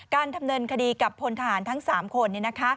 การดำเนินคดีกับพลทหารทั้ง๓คน